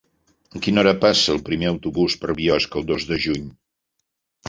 A quina hora passa el primer autobús per Biosca el dos de juny?